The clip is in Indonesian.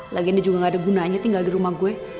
lagi ini juga gak ada gunanya tinggal di rumah gue